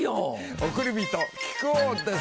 おくりびと木久扇です！